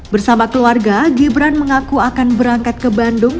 bersama keluarga gibran mengaku akan berangkat ke bandung